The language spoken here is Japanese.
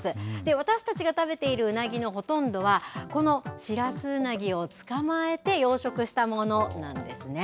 私たちが食べているウナギのほとんどは、このシラスウナギを捕まえて、養殖したものなんですね。